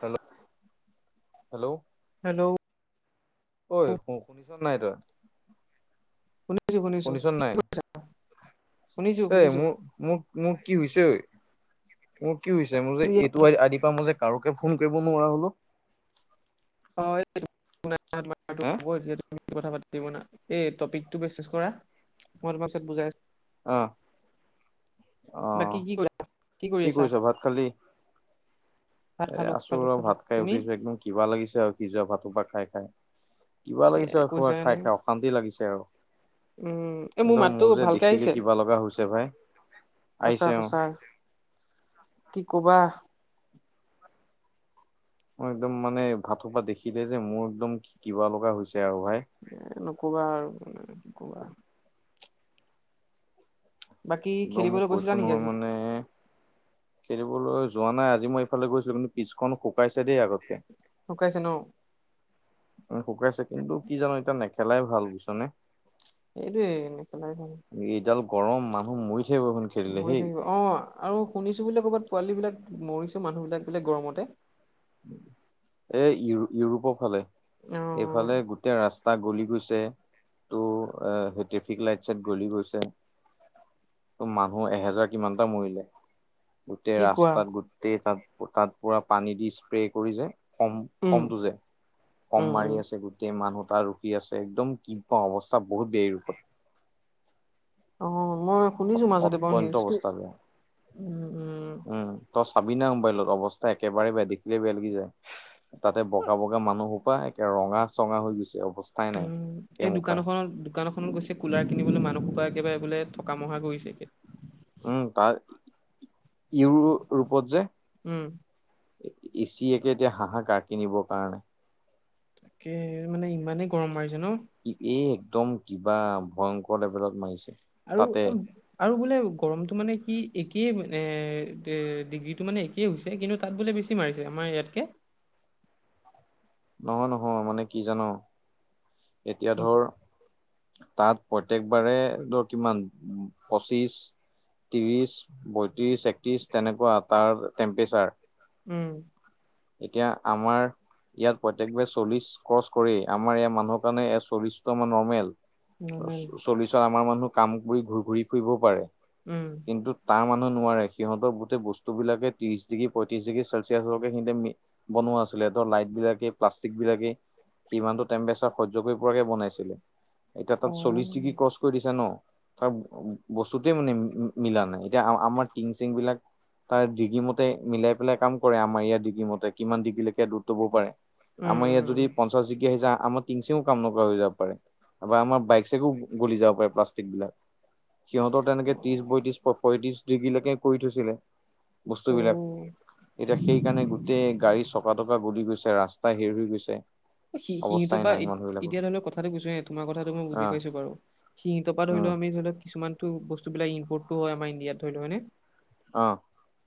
Hello hello hello ঐ শু শুনিছ নাই। তই শুনিছো শুনিছো কি কৰি- এ মোৰ মোক মোক কি হৈছে ঐ মোক- কি হৈছে মোৰ যে শুনিছো এইটো আদি পা মই যে কাৰকে ফোন কৰিব নোৱাৰা হলো। হে কথা [unintelligible] এই টপিকটো মেচেজ [unintelligible] কৰা মই তোমাক পিচত বুজাই আছো আহ আহ বাকী কি কৰি কৰি কি আছা কৈছ ভাত খালি। ভাত এ খালো আচো খালো ৰ খালো ভাত খাই তুমি উঠিছো একদম কিবা লাগিছে আৰু সিজোৱা ভাত হোপা খাই খাই। কিবা লাগিছে খবা কৈছা এনে খাই খাই অশান্তি লাগিছে। আৰু উম এই [unintelligible] একদম মাতটো মোৰ যে ভালকে দেখিলে আহিছে কিবা লগা হৈছে ভাই- সঁচা আহিছে অ সচা কি কবা। ম একদম মানে ভাতহোপা দেখিলে যে মোৰ একদম কিবা লগা হৈছে- আৰু ভাই এ ন কোবা আৰু মানে কোবা [unintelligible] বাকী এক মোক খেলিবলৈ গৈছিলা কৈছো নেকি নহয় আজি মানে খেলিবলৈ- যোৱা নাই আজি মই এইফালে গৈছিলো কিন্তু পিছখন শুকাইছে দেই আগতকে- ঢুকাইছে ন উ শুকাইছে কিন্তু কি জানো এতিয়া নেখেলাই ভাল বুইছ নে- সেইটোৱে নেখেলাই ভাল [unintelligible] এইডাল গৰম মানুহ মৰি থাকিব এইখন খেলিলে মৰি হেই। থাকিব অ আৰু শুনিছো বোলে কৰবাত পোৱালী বিলাক মৰিছেও মানুহ বিলাক বোলে গৰমতে এ ইউ ইউৰোপৰ ফালে অ এইফালে গোটেই ৰাছ টা গলি গৈছে তটো সেই ট্ৰেফিক লাইট চাইট গলি গৈছে। ত মানুহ এহেজাৰ কিমানটা মৰিলে। গোটেই কি কোৱা ৰাস্তাত গোটেই তাত তাত পোৰা পানী দি স্প্ৰে কৰি যায়। খম উম খমটো যে খম উম উম মাৰি আছে গোটেই মানুহ টা ৰখি আছে একদম কি পাওঁ অৱস্থা বহুত বে ৰূপত। অ মই অ শুনিছো মাজতে বাৰু অত্যন্ত নিউজটো অৱস্থা। উম তই চাবি না মোবাইলত অৱস্থা একেবাৰে বেয়া দেখিলে বেয়া লাগি যায়। তাতে বগা বগা মানুহ হোপা একে ৰঙা চঙা হৈ গৈছে। অৱস্থাই নাই। উম এই দোকানখনত-দোকানখন ত গৈছে কুলাৰ কিনিবলে মানুহসোপা একেবাৰে বোলে থকা মহা কৰিছে গে। [unintelligible] উম তাৰ ইউৰোপত যে উম। এচি একে এতিয়া হাহাকাৰ কিনিবৰ কাৰণে। তাকে মানে ইমানেই গৰম মাৰিছে ন এই একদম কিবা ভয়ংকৰ লেভেলত মাৰিছে। তাতে আৰু-আৰু-আৰু বোলে গৰমটো মানে কি এই এই মানে ডিগ্ৰীটো মানে একেই হৈছে কিন্তু তাত বোলে বেছি মাৰিছে আমাৰ ইয়াতকে? [inaudible] নহয়-নহয় মানে কি জান এতিয়া কি ধৰ তাত প্ৰত্যেকবাৰে দৰ কিমান পঁচিশ ত্ৰিছ, বত্ৰিছ, একত্ৰিছ তেনেকুৱা তাৰ টেম্পেৰেচাৰ। উম। এতিয়া আমাৰ ইয়াত প্ৰত্যেকবাৰে চল্লিশ ক্ৰছ কৰি আমাৰ ইয়াৰ মানুহৰ কাৰণে চল্লিশটো আমাৰ নৰ্মেল। নৰ্মেল চল্লিছত আমাৰ মানুহ কাম কৰি ঘূৰি-ঘূৰি ফুৰিবও পাৰে উম কিন্তু তাৰ মানু অ নোৱাৰে। সিহঁতৰ গোটেই বস্তু বিলাকে ত্ৰিশ ডিগ্ৰী, পয়ত্ৰিশ ডিগ্ৰী চেলচিয়াছলৈকে সিহঁতে মি বনোৱা আছিলে। ত' লাইট বিলাকে, প্লাষ্টিক বিলাকে সিমানটো টেম্পেচাৰ সহ্য কৰিব পৰাকে বনাইছিলে। এতিয়া অ তাত চল্লিশ ডিগ্ৰী ক্ৰছ কৰি দিছে ন? তাৰ বস্তুটোৱে মানে মি মিলা নাই। এতিয়া আ আমাৰ টিং- চিং বিলাক তাই ডিগ্ৰীমতে মিলাই পেলাই কাম কৰে। আমাৰ ইয়াত ডিগ্ৰী মতে কিমান ডিগ্ৰীলে তব পাৰে। উম আমাৰ ইয়াত যদি পঞ্চাশ ডিগ্ৰী আহি যায়। আমাৰ টিং-চেও কাম নকৰা হৈ যাব পাৰে। বা আমাৰ বাইক- চাইকো গলি যাব পাৰে প্লাষ্টিক বিলাক। সিহঁতৰ উম তেনেকে উম। ত্ৰিশ বয়ত্ৰিশ, প পয়ত্ৰিশ ডিগ্ৰীলৈকে কৰি থৈছিলে। বস্তু বিলাক অ এতিয়া সেইকাৰণে গোটেই গাড়ী চকা তক- কা গলি গৈছে। ৰাস্তা হেৰি হৈ গৈছে। সি অৱস্থাই সিহঁতপা নাই ইত মানুহ বিলাকৰ ইতিয়া ধৰি লওক কথাটো কৈছোঁ হে তোমাৰ কথাটো মই অ বুজি পাইছো বাৰু। সিহঁতৰপা ধৰিল উম ল আমি ধৰিলোৱা কিছুমাটো বস্তু বিলাক ইম্পৰ্টো হয় আমাৰ ইণ্ডিয়াত ধৰি লও হ'য় নে? অ।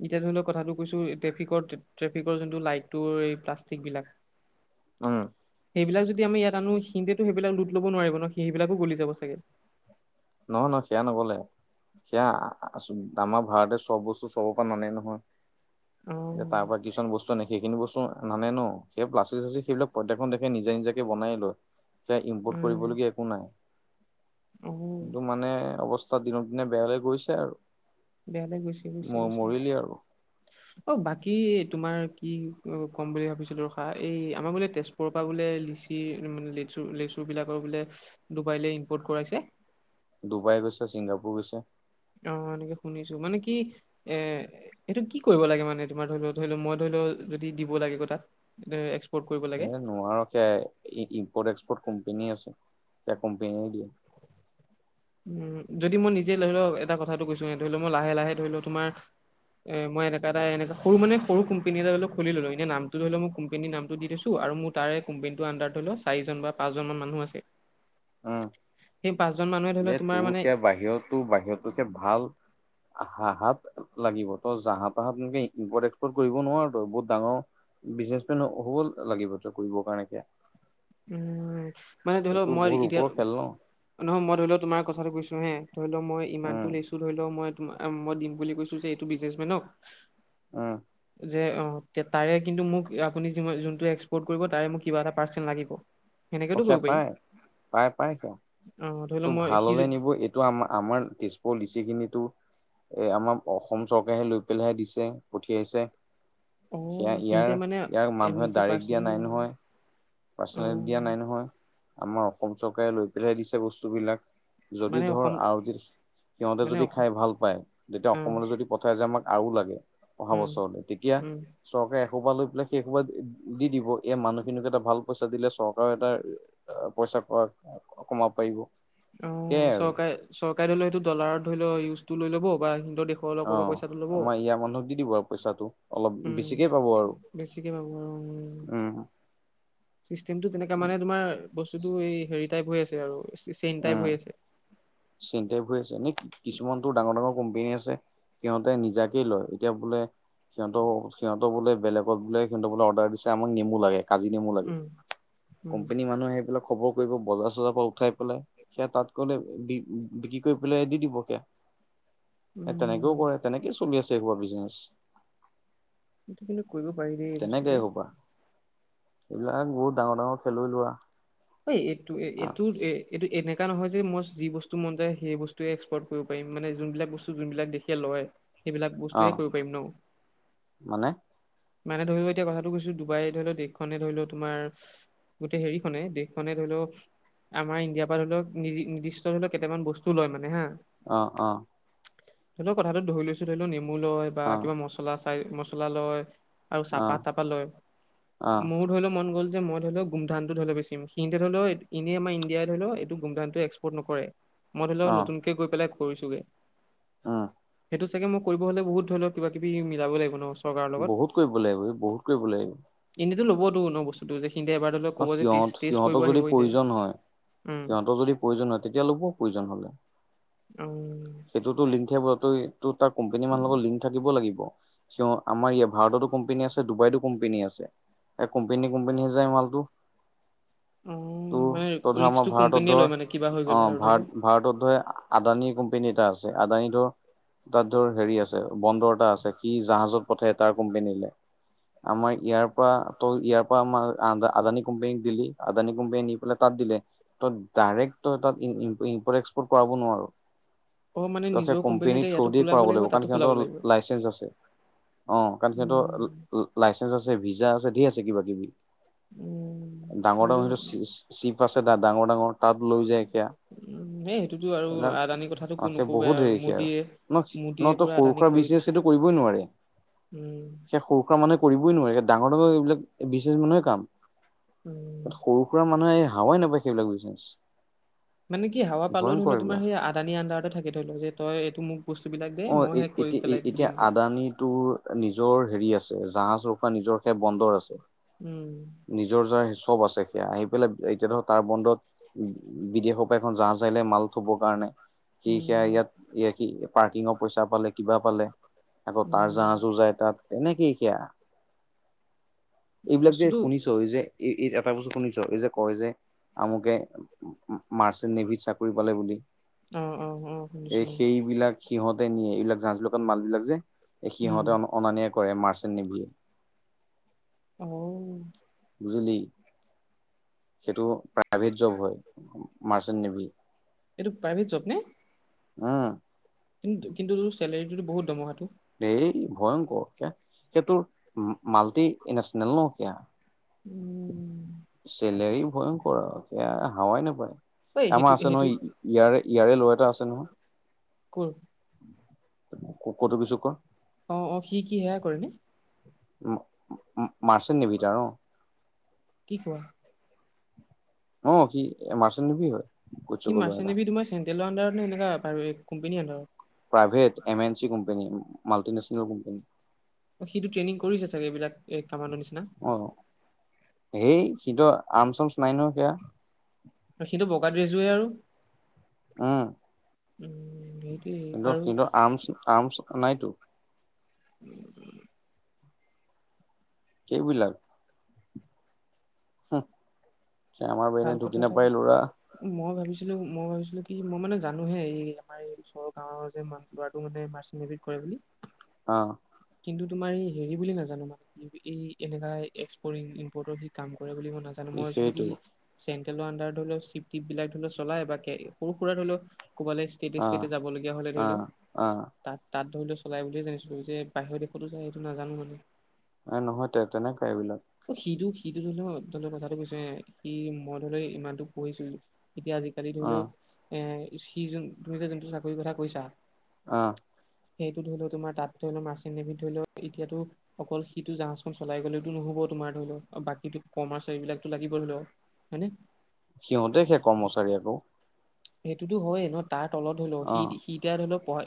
এতিয়া ধৰি লওক কথাটো কৈছো, ট্ৰেফিকৰ, ট্ৰে ট্ৰেফিকৰ যোনটো লাইটটোৰ এই প্লাষ্টিক বিলাক ওম। সেইবিলাক যদি আমি ইয়াত আনো সিহঁতেটো সেইবিলাক লুট ল'ব নোৱাৰিব ন? সেইবিলাকো গলি যাব চাগে? নহয়, ন সেয়া নগলে। সেয়া, আ আমাৰ ভাৰতে চব বস্তু, চবৰ পৰা নানে অ নহয়। তাৰ পৰা কিছুমান বস্তু আনে সেইখিনি বস্ত- চ নানে ন'। সেই প্লাষ্টিক -শ্লাষ্টিক সেইবিলাক প্ৰত্যকখন দেখে নিজে নিজাকে বনাই ল'য়। তে ইম্পৰ্ট উম কৰিবলগীয়া একো নাই। অ কিন্তু মানে অৱস্থা দিনক দিনে বেয়ালে গৈছে আৰু। বেয়া লৈ গৈছে গৈছে ম গৈছে মৰিলি আৰু। অ বাকী তোমাৰ কি ক'ম বুলি ভাবিছিলো ৰখা এই আমাৰ বোলে তেজপুৰৰ পৰা বোলে লিচি মানে লেচু লেচু বিলাক বোলে ডুবাইলে ইনপৰ্ট কৰাইছে। ডুবাই গৈছে, ছিংগাপুৰ গৈছে। অ এনেকে শুনিছো মানে কি এ এইটো কি কৰিব লাগে মানে তোমাৰ ধৰি লও ধৰি লও মই ধৰি ল- যদি দিব লাগে ক তাত- কৰিব লাগে এ নোৱাৰো সে ইম্পৰ্ট এক্সপৰ্ট কোম্পনী আছে সে কোম্পনীয়ে দিয়ে। [unintelligible] উম যদি মই নিজে ধৰি লওক এটা কথাটো কৈছো ধৰি লও মই লাহে লাহে ধৰি লও তোমাৰ- এ মই এনেকা এটা এনেকা সৰু মানে সৰু কোম্পানি এ টাল খুলি ললো এনে নামটো ধ লও মই কোম্পনীৰ নাম দিছো। আৰু মোৰ তাৰে কোম্পোনীটোৰ আণ্ডাৰ ধৰি লও চাৰিজন বা পাঁচজনমান মানুহ আছে- অ সেই পাঁচজন মানুহে ধৰি নে লও তোমাৰ তোৰ মানে সে বাহিৰতো বাহিৰতো সে ভাল- আহাহাত লাগিব ত জাহা তাহাত এনেকে ইম্পৰ্ট এক্সপৰ্ট কৰিব নোৱাৰো তই বহুত ডাঙৰ- বিজনেচমেন হ'ব লাগিবত কৰিব কাৰণে এতিয়া উ মানে ধৰি লওক মই এতিয়া ওপৰৰ খেল ন নহয় মই ধৰি লও তোমাৰ কথাটো কৈছো হে- ধৰি লও মই উম ইমানতটো লৈছো ধৰি লও মই মই দিম বুলি কৈছো যে এইটো বিজনেচমেনক- আহ, যে অঁ তাৰে কিন্তু মোক আপুনি যি যোনটো এক্সপৰ্ট কৰিব তাৰে মোক কিবা এটা পাৰ্চেণ্ট লাগিব। সেনেকেতো পখে কৰিব পাৰি পাই পাই পাই চ অ ধৰি লও ত' মই ভাল সি হলে যদি- নিব এইটো আম আমাৰ তেজপুলিচিখিনি- নিতু আমাৰ অসম চৰকাৰে লৈ পেলাই দিছে পঠিয়াইছে। অ সয়া ইয়াৰ সিহঁতে মানে ইয়াৰ এ মানুহে নিজে ডাৰেক্ট দিয়া পাৰ্চনেলি নাই নহয়। অ পাৰ্চনেলি দিয়া নাই নহয় আমাৰ অসম চৰকাৰে লৈ পেলাইহে দিছে বস্তুবিলাক। যদি মানে ধৰ অসম আৰু য সিহঁতে মানে যদি অসম খাই ভাল পায় তেতিয়া অ অসমলৈ যদি পঠায় যে আমাক আৰু লাগে অহা উম বছৰলৈ তেতিয়া উম চৰকাৰে সোবা লৈ পেলাই সেই সোপা দি দিব এই মানুহখিনিক এটা ভাল পইচা দিলে চৰকাৰে এটা পইচা কমাব পাৰিব। অ সেয়াই আৰু চৰকাৰে চৰকাৰে ধৰি লও সেইটো ডলাৰত ধৰি লওক ইউজটো লৈ ল'ব বা অহ। দেশৰ লগৰ পৰা অ'। পইচাটো ল'ব। আমাৰ ইয়াৰ মানুহক দি দিব আৰু পইচাটো অলপ উম বেছিকে পাব আৰু বেছিকে পাব আৰু উম। চিষ্টেমটো তেনেকা মানে তোমাৰ বস্তুটো এই হেৰি টাইপ হৈ আছে আৰু। চেইন টাইপ উম হৈ আছে চিনটেপ হৈ আছে নে কি কিছুমান তো ডাঙৰ ডাঙৰ কোম্পনী আছে সিহঁতে নিজাকে লয় এতিয়া বোলে সিহঁতক সিহঁতক বোলে বেলেগত বোলে সিহঁতক বোলে অৰ্ডাৰ দিছে আমাক নেমু লাগে। কাজি নেমু লাগে উম উম কোম্পানী মানুহে আহি পেলাই খবৰ কৰিব বজাৰ চজাৰৰ পৰা উঠাই পেলাই সেয়া তাত কলে বি বিক্ৰী কৰি পেলাই দি দিব সেয়া। এ তেনেকেও উম কৰে তেনেকে চলি আছে এবোৰ বিজনেচ। এইটো কিন্তু কৰিব পাৰি দেই এই তেনেকে বস্তুটো। এইসোপা এইবিলাক বহুত ডাঙৰ ডাঙৰ খেলুৱৈ লোৱা। ঐ এইটো এইটো এ এইটো এনেকা নহয় যে মই যি বস্তু মন যায় সেই বস্তুৱে এক্সপৰ্ট কৰিব পাৰিম মানে যোনবিলাক বস্তু যোনবিলাক দেখিয়ে লওঁ। সেইবিলাক বস্তুে অ কৰিব পাৰিম ন। মানে মানে ধৰি লোৱা এতিয়া কথাটো কৈছো ডুবাই ধৰি লও দেশখনে ধৰি লও তোমাৰ গোটেই হেৰিখনে দেশ খনে ধৰি লওক আমাৰ ইণ্ডিয়াৰ পৰা ধৰি লওক নি নিৰ্দিষ্ট ধৰি লওক কেইটামান বস্তু লয় মানে হা অ অ। ধৰি লও কথাটো ধৰি লৈছো ধৰি লও নেমু লয় বা অ কিবা মছলা চাই মছলা লয়। আৰু অ চাহপাত তাহপাত লয়। অ মোৰো ধৰি লোৱা মন গ'ল যে মই ধৰি লও গুমধানটো ধৰি লও বেছিম। ইনতে ধৰি লও এনেই আমাৰ ইণ্ডিয়াই ধৰি লও এইটো গুমধানটো এক্সপৰ্ট নকৰে মই ধৰি লও নতুনকে গৈ পেলাই কৰিছোগে আহ সেইটো চাগে মই কৰিব হ'লে বহুত ধৰণৰ কিবা কিবি মিলাব লাগিব ন। চৰকাৰৰ লগত বহুত কৰিব লাগিব এই বহুত কৰিব লাগিব। এইটো লবটো ন বস্তুটো যে এইখিনিতে এবাৰলে ন কব যে সিহঁত তিছ সিহঁতক যদি প্ৰয়োজন হয় উম সিহঁতক যদি প্ৰয়োজন হয় তেতিয়া লব প্ৰয়োজন হলে। অ সেইটোতো লিংক থাকিব তই তোৰ তাৰ কোম্পনী মানুহৰ লগত লিংক থাকিব লাগিব। কিয় আমাৰ ইয়া ভাৰততো কোম্পনী আছে ডুবাইতো কোম্পনী আছে। এই কোম্পানী কোম্পানী হে যায় মালটো। অ। তোৰ মানে তই ধৰ আমাৰ ৰিক্সটো ভাৰতত কোম্পেনীয়ে ধৰ লয় মানে কিবা হৈ অ গ'লে আৰু ধৰি লও ভাৰত ভাৰতত ধৰ আদানী কোম্পানী এটা আছে আদানিটো তাত ধৰ হেৰি আছে বন্দৰ এটা আছে কি জাহাজত পঠায় তাৰ কোম্পেনীলে। আমাৰ ইয়াৰ পৰা তই ইয়াৰ পৰা আমৰ আদানী কোম্পানীক দিলি আদানী কোম্পানী নি পেলাই তাত দিলে ত ডাইৰেক্ট তই তাত ইম্পৰ্ট এক্সপৰ্ট কৰাব নোৱাৰ। অ মানে ত সেই নিজৰ কোম্পেনী এটা থ্ৰো ইয়াতো দিয়ে খোলাব কৰাব লাগিব তাতো কাৰণ খোলাব সিহঁতৰ লাগিব লাইচেঞ্চ আছে। অ কাৰণ সিহঁতৰ উম লা লা লাইচেঞ্চ আছে। ভিজা আছে ধেৰ আছে কিবা কিবি উম ডাঙৰ ডাঙৰ সেইটোতো চি চিপ আছে দা ডাঙৰ ডাঙৰ তাত লৈ যায় কিয়া উম, সেই সেইটোতো আৰু এইবিলাক আদানীৰ কথাটো কো ত সে নকবাই বহুত হেৰি খে আৰু মোদীয়ে ন মোদীয়ে ন ত পুৰা সৰু আদানী সুৰা কৰি বিজনেচ দিছে। সেইটো কৰিবই নোৱাৰে। উম। মানে কৰিবই নোৱাৰি ডাঙৰ ডাঙৰ এইবিলাক বিজনেছ মানুহৰ কাম উম। তাত সৰু সুৰা মানুহে হাৱাই নাপায় সেইবিলাক বিজনেছ। মানে কি হাৱা পালেও ভয়ংকৰ ধৰিলও এইবিলাক তোমাৰেই আদানী আন্ডাৰতে থাকে ধৰি লোৱা যে তই এইটো মোক বস্তুবিলাক দে অ মই সেই কৰি এতিয়া পেলাই এতিয়া দিমগে। আদানী টোৰ নিজৰ হেৰি আছে জাহাজ ৰখোৱা নিজৰ খে বন্দৰ আছে উম, নিজৰ যাৰ চব আছে সেয়া আহি পেলাই এতিয়া ধৰক তাৰ বন্দত উ বিদেশৰ পৰা এখন জাহাজ আহিলে মাল থবৰ কাৰণে সি সেয়া উম, ইয়াত কি পাৰ্কিঙৰ পইচা পালে কিবা পালে। আকৌ তাৰ উম, জাহাজো যায় তাত তেনেকেই সেয়া এইবিলাক যে বস্তুটো শুনিছ এই যে এই এই এটা বস্তু শুনিছ এই যে কয় যে আমুকে মাৰ্চণ্ট নেভিত চাকৰি পালে বুলি। অ অ অ এই শুনিছো। সেইবিলাক সিহঁতে নিয়ে এইবিলাক জাহাজ বিলাকত মাল বিলাক যে এই উম। সিহতে অনা নিয়া কৰে মাৰ্চেল নেভিয়ে আহ বুজিলি সেইটো প্ৰায়। প্ৰাইভেট জব হয় মাৰ্চেল নেভি। এইটো প্ৰাইভেট জব নে আহ কিন্তু কিন্তু চেলেৰিটো বহুত দমহাটো এই ভয়ংকৰ সেয়া এ তোৰ মাল্টিনেচনেল ন কিয়া উম, চলেৰী ভয়ংকৰ সেয়া হাৱাই নাপায় ঐ সেইটো আমাৰ আছে সেইটো নহয় ইয়াৰে ইয়াৰে ল'ৰা এটা আছে নহয় কৰ ক কটো পিছু অ', অ', সি কি সেয়া কৰে নে? মাৰ্চেল নিভিত আৰু ন কি কোৱা অ সি মাৰ্চেল নেভি হয়। কৌতুক কি কিশোকৰ ল'ৰা এটা মাৰ্চনে তোমাৰ চেণ্ট্ৰেলৰত আন্ধাৰত নে এনেকা কোম্পনী আন্ধাৰত private M N C company multinational company সিটো ট্ৰেইনিং কৰিছে চাগে এইবিলাক কামাণ্ডৰ নিচিনা? হেই সিটো আমচমচ নাই ন সেয়া সেইটো বগা ড্ৰেচজোৱে আৰু আহ উম সেইটোৱে কিন্তু বাৰু কিন্তু আৰ্মচ আৰ্মচ নাইতো [inaudible] সেই বিলাক। আমাৰ বেনে ঢুকি নাপায় ল'ৰা কিন্তু মই ভাবিছিলো কি মই মানে জানোহে এই আমাৰ ওচৰ গাঁও ৱৰ যোন ল'ৰাটো মানে মাৰ্চিয়েল কৰে বুলি। অ কিন্তু তোমাৰ এই হেৰি বুলি নাজানো মানে। এই এনেকা এক্সপৰ্ট ইম্পৰ্টৰ সি কাম কৰে বুলি ম নাজানো মই ভাবিছিলো সেইটো কি চেটেলৰ আনডাৰ ধৰি লও চিপ টিপবিলাক চলাই বাক সৰু সুৰা ধৰি লও ক'বালৈ ষ্টেতে অ ষ্টেতে যাবলগীয়া হ'লে অ ধৰি লও অ তাত তাত চলাই বুলিয়ে জানিছিলোঁ। যে বাহিৰৰ দেশতো যায় সেইটো নাজানো মানে। এ নহয় তে তেনেকাই এইবিলাক। অ সিটো সিটো ধৰি লও ধ কথাটো কৈছো সি মই ধৰি লও ইমানতটো পঢ়িছো। এতিয়া আজিকালি অ ধৰি লওক এ সি যোন তুমি যে যোনটো চাকৰিৰ কথা কৈছা। আহ সেইটো ধৰি লও তোমাৰ তাত ধৰি লও মাৰ্চিন নেভিত ধৰি লও এতিয়াতো অকল সিটো জাহাজখন চলাই গ'লেতো নহব। তোমাৰ ধৰি লও বাকী কৰ্মাৰচাৰী বিলাকটো লাগিব ধৰি ল। হয়নে? সিহঁতে হে সেই কৰ্মচাৰী আকৌ সেইটোতো হয়ে ন তাৰ তলত ধৰি লও অ সি সিয়া ধৰি লও প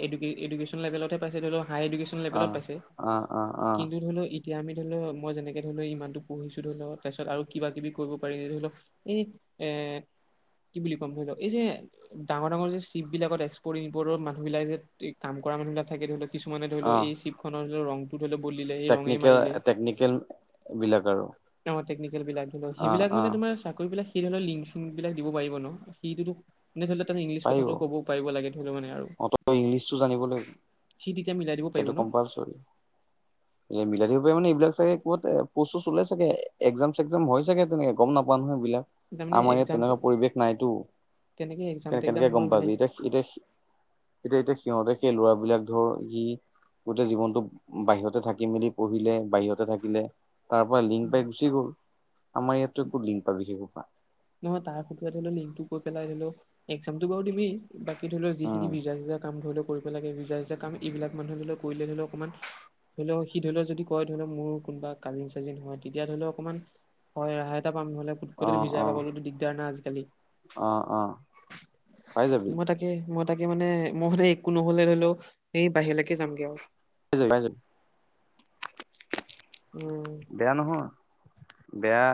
এডুকেছন লেভেলতে পাইছে ধৰি লও হাই এডুকেছন অ লেবেলত পাইছে। অ অ অ কিন্তু ধৰি ল এতিয়ামি ধ লও মই যেনেকে ধৰি ল ইমানটো পঢ়িছো ধৰি ল তাৰপিত আৰু কিবা কিবি কৰিব পাৰিম যে ধৰি লও এই এ কি বুলি কম ধৰি ল এই যে, ডাঙৰ ডাঙৰ যে শ্বিপ বিলাকত এক্সপৰ্ট ইপৰ্টৰ মানুহ বিলাক যে কাম কৰা মানুহিলাকে ধৰি লও কিছুমানে ধৰি ল অ এই শ্বিপ ধৰি ল ৰংটো হলে বিলে এই ৰঙে টেকনিকেল মাৰিলে টেকনিকেল বিলাক আৰু টেকনিকেল বিলাক। অ সেইবিলাক অ মানে তোমাৰ চাক বিলাক। সেই লিং চিং বিলাক দিব পাৰিব ন সেই নে ধৰি ল তাত ইংলিছ পাৰিব কথাটো ক'ব পাৰিব লাগে। ধৰি লও মানে আৰু অত ইংলিছটো জানিব লাগিব সি তেতিয়া মিলাই দিব পাৰিব সেইটো ন কম্পালচৰি মিলাই দ মে এইবিলাক চাগে কত পষ্ট চূচ ওলাই চাগে একজাম চেকজাম হৈ চাগে তেনেকে গম নাপাও নহয় সেই বিলাক। তাৰ মানে আমাৰ ইয়াত এক্সাম তেনেকুৱা পৰিৱেশ নাইতো। তেনেকে এক্সাম টেক্সাম কেনেকে গম হয় মানে পাবি এতিয়া এতিয়া এতিয়া এতিয়া সিহঁতে ল'ৰাবলাক ধৰ সি গোটেই জীৱনতটো বাহিৰতে থাকি মেলি পঢ়িলে। বাহিৰত থাকিলে তাৰ পৰা লিংক পাই গুচি গ'ল। আমাৰ ইয়াতো ক'ত লিংক পাবি সেইসোপা। নহয় তাৰ ফটোও লিংকটোৈ পেলাইও একজামতটো বাৰু দিয়েই। বাকী ধৰি লও যিখিনি উম ভিজা যিজা কাম ধৰি লও কৰিব লাগে। ভিজা সিজা কাম এইবিলাক মানুহ ধৰি লওক কৰিলে ধৰি লও অকমান ধৰি লও সি ধৰি লওক যদি কয় ধৰি লও মোৰ কোনোবা কাজিন চাজিন হয়। তেতিয়া ধৰি লও অকণমান হয় ৰেহায় এটা পাম নহ'লে অ কুটকটত ভিজাই অ পাব। না আজিকালি। অ অ পাই যাবি মই তাকে মই তাকে মানে মই নে একো নহলে ধৰি লও এই বাহিৰলৈকে যামগে আৰু। যাবি পাই যাবি। উম বেয়া নহয়। বেয়া